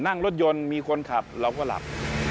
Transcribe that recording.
นั่งรถยนต์มีคนขับเราก็หลับ